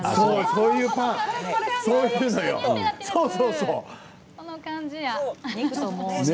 そういう感じや。